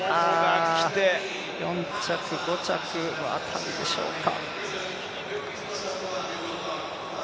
４着、５着辺りでしょうか。